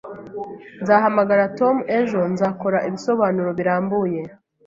Nzahamagara Tom ejo nzakora ibisobanuro birambuye